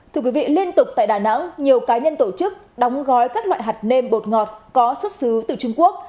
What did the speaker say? thưa quý vị liên tục tại đà nẵng nhiều cá nhân tổ chức đóng gói các loại hạt nêm bột ngọt có xuất xứ từ trung quốc